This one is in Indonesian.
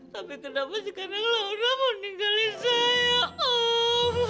tapi kenapa sekarang laura mau ninggalin saya om